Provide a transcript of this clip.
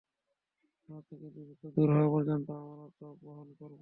মারাত্মক এ দুর্ভিক্ষ দূর হওয়া পর্যন্ত আমরা তা বহন করব।